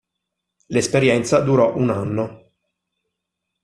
L'esperienza durò un anno.